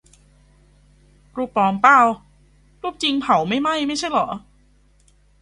"รูปปลอมป่าว รูปจริงเผาไม่ไหม้ไม่ใช่เหรอ"